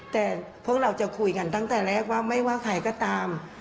แต่พวกเราจะคุยกันตั้งแต่แรกว่าไม่ว่าใครก็ตาม